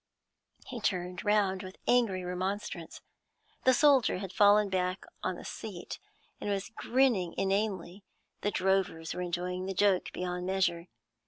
He turned round with angry remonstrance. The soldier had fallen back on to the seat, and was grinning inanely; the drovers were enjoying the joke beyond measure.